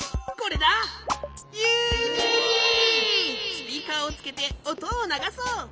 スピーカーをつけておとをながそう！